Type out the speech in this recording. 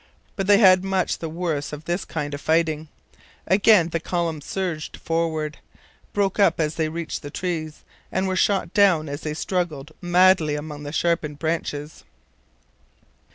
But they had much the worse of this kind of fighting. Again the columns surged forward, broke up as they reached the trees, and were shot down as they struggled madly among the sharpened branches.